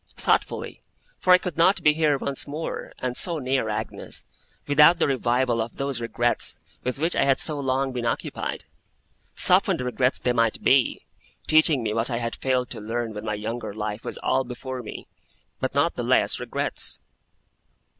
Thoughtfully, for I could not be here once more, and so near Agnes, without the revival of those regrets with which I had so long been occupied. Softened regrets they might be, teaching me what I had failed to learn when my younger life was all before me, but not the less regrets.